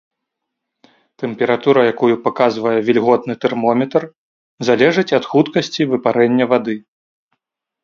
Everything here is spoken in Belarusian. Тэмпература, якую паказвае вільготны тэрмометр, залежыць ад хуткасці выпарэння вады.